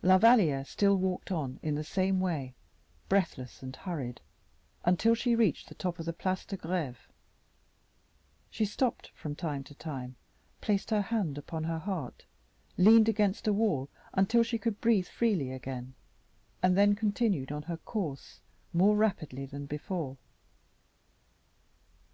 La Valliere still walked on in the same way, breathless and hurried, until she reached the top of the Place de Greve. She stopped from time to time, placed her hand upon her heart, leaned against a wall until she could breathe freely again, and then continued on her course more rapidly than before.